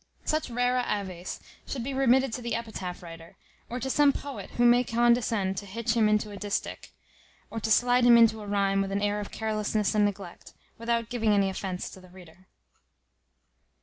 Such rarae aves should be remitted to the epitaph writer, or to some poet who may condescend to hitch him in a distich, or to slide him into a rhime with an air of carelessness and neglect, without giving any offence to the reader.